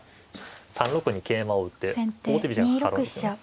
３六に桂馬を打って王手飛車がかかるんですよね。